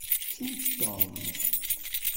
Ttut Tom.